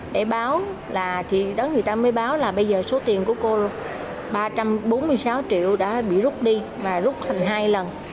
để báo là chị đó người ta mới báo là bây giờ số tiền của cô ba trăm bốn mươi sáu triệu đã bị rút đi và rút thành hai lần